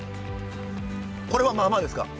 これは「まあまあ」ですか？